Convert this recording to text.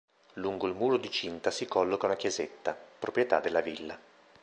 Lungo il muro di cinta si colloca una chiesetta, proprietà della villa.